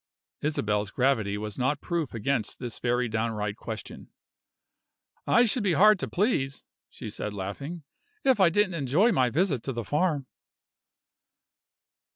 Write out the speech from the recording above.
Isabel's gravity was not proof against this very downright question. "I should be hard to please," she said laughing, "if I didn't enjoy my visit to the farm."